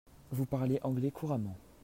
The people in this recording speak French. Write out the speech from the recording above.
Vous parlez anglais couramment.